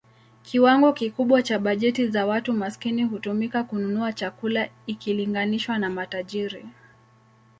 Kiwango kikubwa cha bajeti za watu maskini hutumika kununua chakula ikilinganishwa na matajiri.